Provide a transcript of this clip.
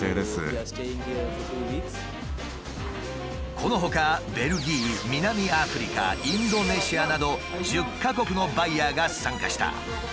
このほかベルギー南アフリカインドネシアなど１０か国のバイヤーが参加した。